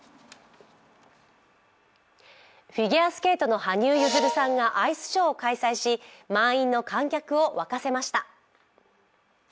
フィギュアスケートの羽生結弦さんがアイスショーを開催し満員の観客を沸かせました。